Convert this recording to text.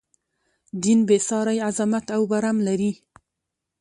دین بې ساری عظمت او برم لري.